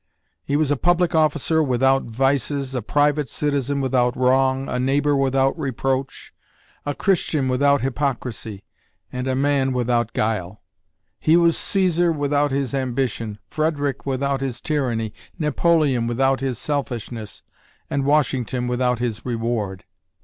He was a public officer without vices, a private citizen without wrong, a neighbor without reproach, a Christian without hypocrisy, and a man without guile. He was Cæsar without his ambition, Frederick without his tyranny, Napoleon without his selfishness, and Washington without his reward.